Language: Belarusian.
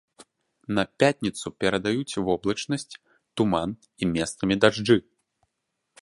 На пятніцу перадаюць воблачнасць, туман і месцамі дажджы.